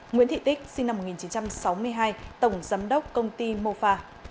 nguyễn thị tích sinh năm một nghìn chín trăm sáu mươi hai tổng giám đốc công ty mofa